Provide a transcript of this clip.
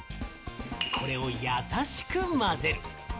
これをやさしく混ぜる。